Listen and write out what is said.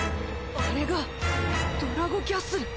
あれがドラゴキャッスル！